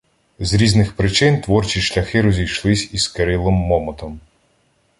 З різних причин творчі шляхи розійшлись із Кирилом Момотом.